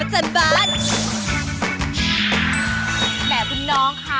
แหมคุณน้องค่ะ